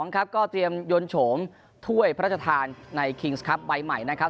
ครับก็เตรียมยนต์โฉมถ้วยพระราชทานในคิงส์ครับใบใหม่นะครับ